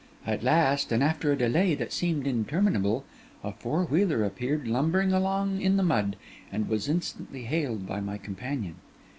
At last, and after a delay that seemed interminable, a four wheeler appeared lumbering along in the mud, and was instantly hailed by my companion.